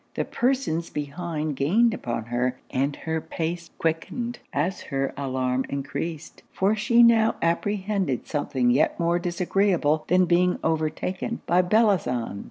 The persons behind gained upon her, and her pace quickened as her alarm encreased; for she now apprehended something yet more disagreeable than being overtaken by Bellozane.